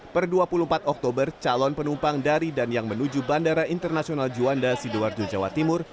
per dua puluh empat oktober calon penumpang dari dan yang menuju bandara internasional juanda sidoarjo jawa timur